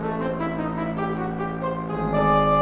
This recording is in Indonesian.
ah apaan itu